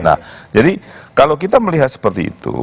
nah jadi kalau kita melihat sepertinya